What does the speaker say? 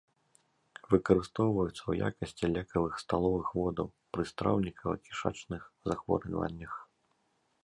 Выкарыстоўваюцца ў якасці лекавых сталовых водаў пры страўнікава-кішачных захворваннях.